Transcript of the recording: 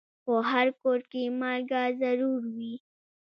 په هر کور کې مالګه ضرور وي.